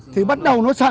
thì bắt đầu nó sạt